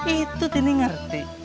itu tini ngerti